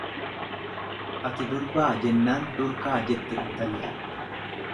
Ati durbaa jennaan durkaa jette intalli.